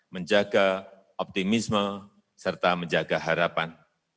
menjaga optimisme serta menjaga harapan